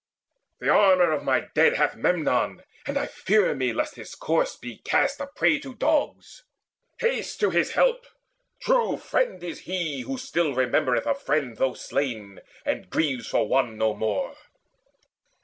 The armour of my dead Hath Memnon, and I fear me lest his corse Be cast a prey to dogs. Haste to his help! True friend is he who still remembereth A friend though slain, and grieves for one no more."